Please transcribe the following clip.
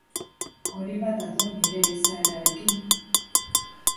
Hori bat dator nire izaerarekin.